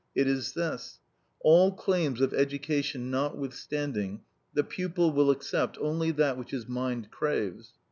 It is this: All claims of education notwithstanding, the pupil will accept only that which his mind craves.